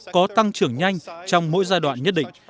có tăng trưởng nhanh trong mỗi giai đoạn nhất định